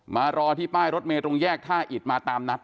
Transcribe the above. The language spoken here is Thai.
มารอที่ป้ายรถเมย์ตรงแยกท่าอิดมาตามนัด